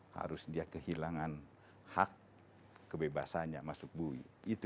harus dia kehilangan hak kebebasannya masuk bui